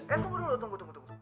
eh tunggu dulu tunggu tunggu